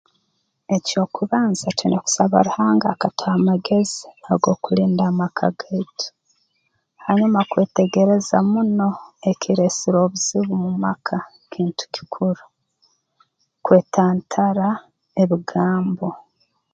Ekyokubanza twine kusaba Ruhanga akatuha amagezi ag'okulinda amaka gaitu hanyuma kwetegereza muno ekireesere obuzibu mu maka kintu kikuru kwetantara ebigambo